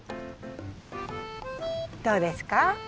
どうですか？